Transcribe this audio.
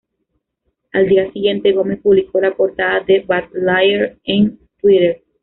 Al día siguiente, Gomez publicó la portada de "Bad Liar" en Twitter.